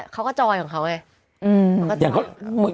เขาก็จอยของเขาไง